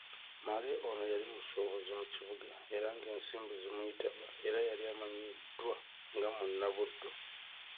Male ono yali musuubuzi mu kibuga era ng'ensimbi zimuyitaba era yali amanyiddwa nga munnabuddu.